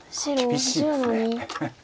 厳しいです。